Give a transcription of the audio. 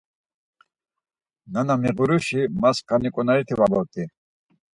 Nana miğuruşi ma skani ǩonariti va vort̆i.